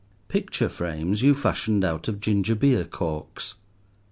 Picture frames you fashioned out of ginger beer corks.